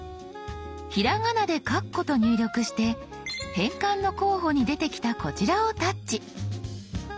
ひらがなで「かっこ」と入力して変換の候補に出てきたこちらをタッチ。